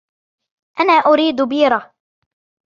أنا أُريد بيرة.